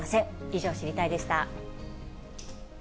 以上、知りたいッ！でした。